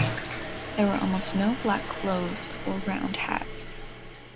There were almost no black clothes or round hats.